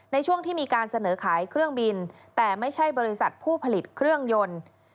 ในช่วงที่มีการเสนอขายเครื่องบินแต่ไม่ใช่บริษัทผู้ผลิตเครื่องยนต์